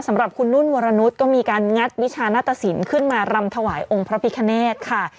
สำหรับคุณนุ่นวรนุษย์ก็มีการงัดวิชาหน้าตสินขึ้นมารำถวายองค์พระพิคเนธค่ะ